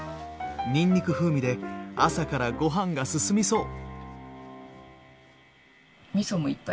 にんにく風味で朝からご飯が進みそう。